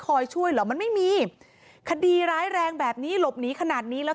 ช่วยเหรอมันไม่มีคดีร้ายแรงแบบนี้หลบหนีขนาดนี้แล้ว